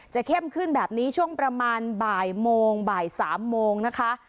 เข้มขึ้นแบบนี้ช่วงประมาณบ่ายโมงบ่าย๓โมงนะคะ